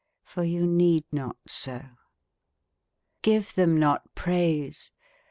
For you need not so. Give them not praise.